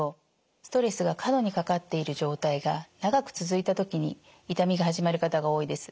ストレスが過度にかかっている状態が長く続いた時に痛みが始まる方が多いです。